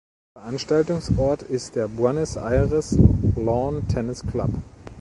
Veranstaltungsort ist der Buenos Aires Lawn Tennis Club.